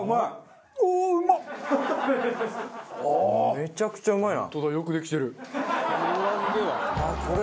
めちゃくちゃうまいな。